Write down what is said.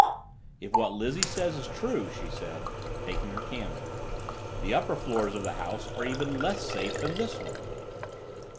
"If what Lizzie says is true," she said, taking her candle, "the upper floors of the house are even less safe than this one."